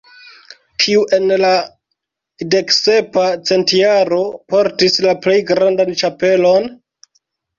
Kiu en la deksepa centjaro portis la plej grandan ĉapelon?